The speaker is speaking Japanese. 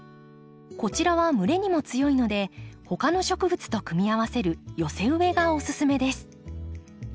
こちらは蒸れにも強いので他の植物と組み合わせる寄せ植えがおすすめです。